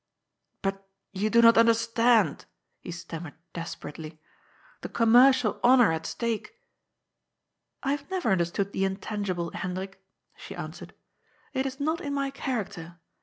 " But you do not understand," he stammered desperately. " The commercial honour at stake "" I have never understood the intangible, Hendrik," she answered. " It is not in my character.